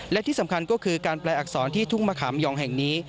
และที่สำคัญก็คือการแปลอักษรที่ทุ่งมะขามยองแห่งนี้